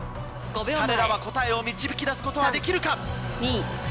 彼らは答えを導き出すことはできるか？